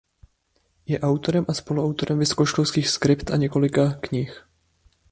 Je autorem a spoluautorem vysokoškolských skript a několika knih.